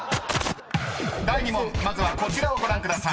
［第２問まずはこちらをご覧ください］